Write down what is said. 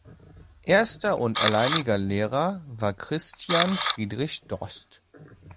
Erster und alleiniger Lehrer war Christian Friedrich Dost.